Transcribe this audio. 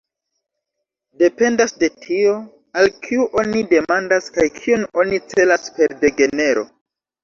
Dependas de tio, al kiu oni demandas kaj kion oni celas per "degenero".